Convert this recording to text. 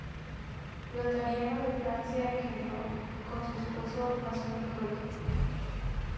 Lotario de Francia engendró con su esposa a su único hijo.